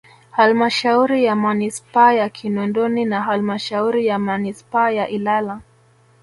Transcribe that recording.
Halmashauri ya Manispaa ya Kinondoni na Halmashauri ya Manispaa ya Ilala